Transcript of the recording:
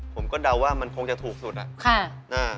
เดาว่ามันคงจะถูกสุดอะ